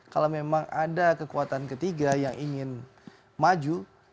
kalau memang ada kekuatan ketiga yang ingin maju